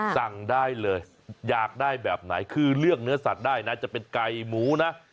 สั่งได้เลยอยากได้แบบไหนคือเลือกเนื้อสัตว์ได้นะจะเป็นไก่หมูนะ